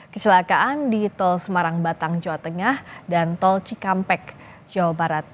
kecelakaan di tol semarang batang jawa tengah dan tol cikampek jawa barat